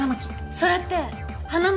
それって花巻。